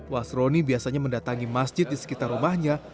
wasroni biasanya mendatangi masjid di sekitar rumahnya